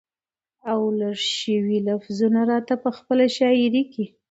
او لړ شوي لفظونه راته په خپله شاعرۍ کې